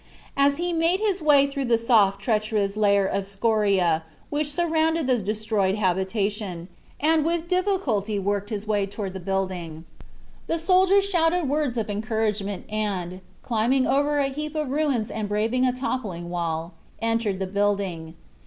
As he made his way through the soft, treacherous layer of scoriae which surrounded the destroyed habitation, and with difficulty worked his way toward the building the soldier shouted words of encouragement and, climbing over a heap of ruins and braving a toppling wall, entered the building.